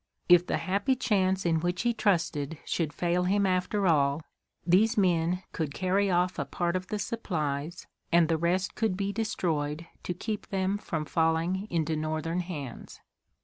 If the happy chance in which he trusted should fail him after all, these men could carry off a part of the supplies, and the rest could be destroyed to keep them from falling into Northern hands.